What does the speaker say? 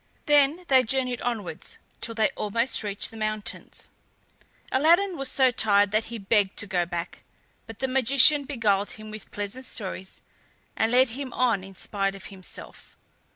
Then they journeyed onwards till they almost reached the mountains. Aladdin was so tired that he begged to go back, but the magician beguiled him with pleasant stories and lead him on in spite of himself.